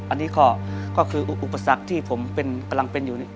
อันนี้ก็คืออุปสรรคที่ผมกำลังเป็นอยู่นี่